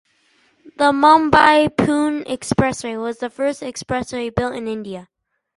The Mumbai-Pune Expressway was the first expressway built in India.